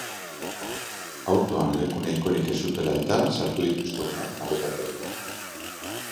Autoan leku nahikorik ez zutela eta sartu dituzte umeak maletategian.